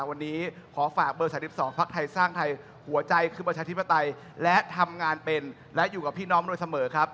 วันนี้ขอฝาก